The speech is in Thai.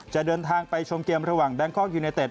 เดินทางไปชมเกมระหว่างแบงคอกยูเนเต็ด